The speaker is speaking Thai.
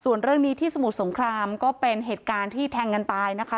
ส่วนเรื่องนี้ที่สมุทรสงครามก็เป็นเหตุการณ์ที่แทงกันตายนะคะ